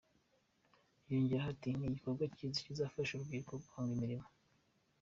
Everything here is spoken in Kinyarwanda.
Yongeyeho ati “Ni igikorwa cyiza kizafasha urubyiruko guhanga imirimo.